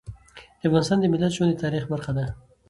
د افغانستان د ملت ژوند د تاریخ برخه ده.